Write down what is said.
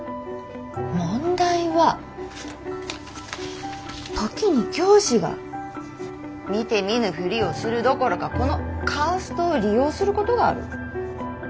問題は時に教師が見て見ぬふりをするどころかこのカーストを利用することがある。